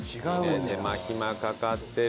手間暇かかってる。